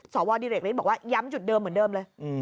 สวดิเรกฤทธิบอกว่าย้ำจุดเดิมเหมือนเดิมเลย